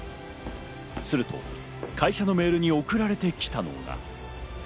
すると会社のメールに送られてきたのが。